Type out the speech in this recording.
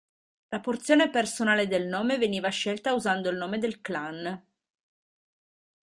La porzione personale del nome veniva scelta usando il nome del clan.